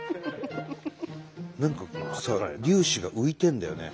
何かこのさ粒子が浮いてるんだよね。